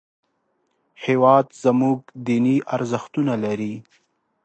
هېواد زموږ دیني ارزښتونه لري